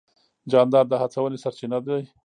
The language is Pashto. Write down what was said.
جانداد د هڅونې سرچینه دی.